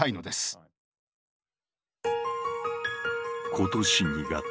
今年２月。